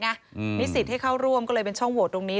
นิสิตให้เข้าร่วมก็เลยเป็นช่องโหวตตรงนี้